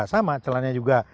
sama celananya juga